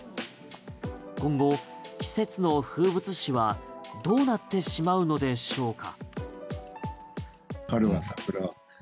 今後、季節の風物詩はどうなってしまうのでしょうか？